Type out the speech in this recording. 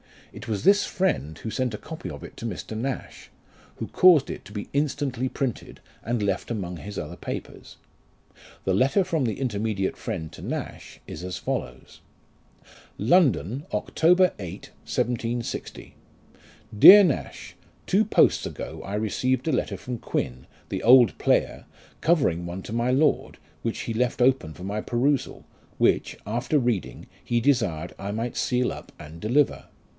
It was this friend who sent a copy of it to Mr. Nash, who caused it to be instantly printed, and left among his other papers. The letter from the intermediate friend to Nash is as follows : "London, Oct. 8, 1760. " DEAB NASH, Two posts ago I received a letter from Quin, the old player, covering one to my lord, which he left open for my perusal, which, after reading, he desired I might seal up and deliver.